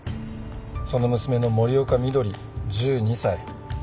その娘の森岡翠１２歳。